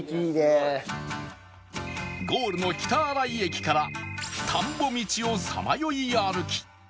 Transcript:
ゴールの北新井駅から田んぼ道をさまよい歩き